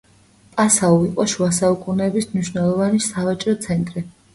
პასაუ იყო შუასაუკუნეების მნიშვნელოვანი სავაჭრო ცენტრი.